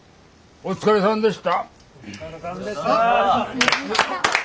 お疲れさんでした！